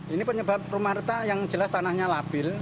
ini penyebab rumah retak yang jelas tanahnya labil